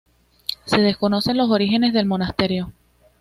Se desconocen los orígenes del monasterio.